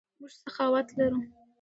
موږ سخاوت لرو.